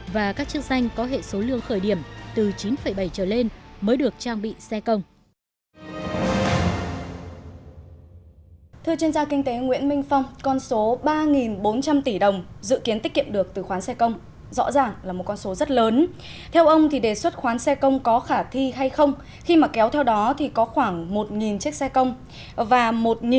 và các chức danh có hệ số lương khởi điểm từ chín bảy trở lên mới được trang bị xe công